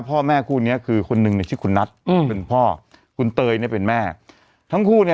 พ่อแม่คู่นี้คือคนนึงเนี่ยชื่อคุณนัทอืมเป็นพ่อคุณเตยเนี่ยเป็นแม่ทั้งคู่เนี่ย